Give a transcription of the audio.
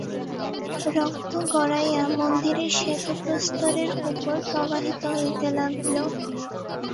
রক্ত গড়াইয়া মন্দিরের শ্বেত প্রস্তরের উপর প্রবাহিত হইতে লাগিল।